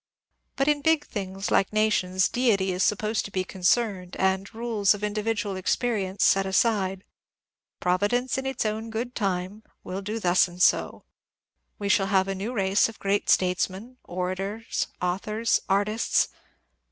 But in big things like nations Deity is supposed to be concerned, and rules of individual experience set aside. ^* Providence in its own good time " will do thus and so. We shall have a new race of great statesmen, orators, authors, artists